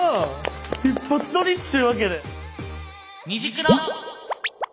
一発撮りっちゅうわけで！